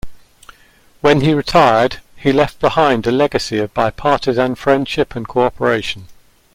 When he retired, he left behind a legacy of bipartisan friendship and cooperation.